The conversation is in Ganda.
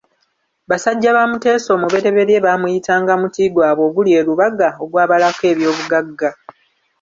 Basajja ba Mutesa I baamuyitanga muti gwabwe oguli e Lubaga ogabalako eby'obugagga.